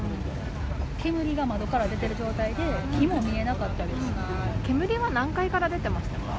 煙が窓から出てる状態で、火も見煙は何階から出てましたか？